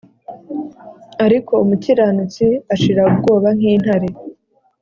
ariko umukiranutsi ashira ubwoba nk’intare